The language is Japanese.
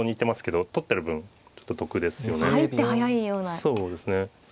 そうですね。